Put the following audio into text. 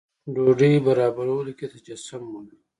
ډوډۍ برابرولو کې تجسم مومي.